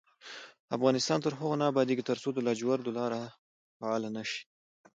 افغانستان تر هغو نه ابادیږي، ترڅو د لاجوردو لار فعاله نشي.